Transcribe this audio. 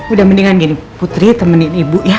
udah mendingan gini putri temenin ibu ya